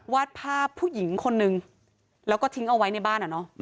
วาดภาพผู้หญิงคนนึงแล้วก็ทิ้งเอาไว้ในบ้าน